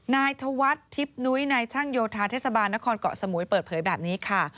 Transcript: นายธวัฒน์ทิพย์นุ้ยนายช่างโยธาเทศบาลนครเกาะสมุยเปิดเผยแบบนี้ค่ะ